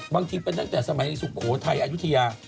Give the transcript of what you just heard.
บางทีเป็นตั้งแต่สมัยสุโขทัยอายุทยา